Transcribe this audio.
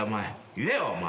言えよお前。